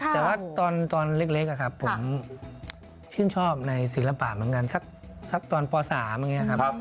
แต่ว่าตอนเล็กผมชื่นชอบในศิลปะเหมือนกันสักตอนป๓อย่างนี้ครับ